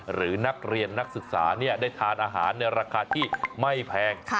หรือนักเรียนนักศึกษาได้ทานอาหารในราคาที่ไม่แพง